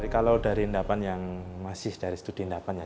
kalau dari endapan yang masih dari studi endapan ya